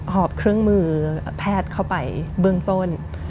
อบเครื่องมือแพทย์เข้าไปเบื้องต้น